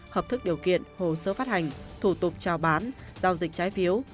hợp thức điều kiện hồ sơ phát hành thủ tục trao bán giao dịch trái phiếu